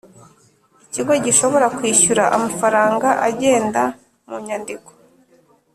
Ikigo gishobora kwishyura amafaranga agenda mu nyandiko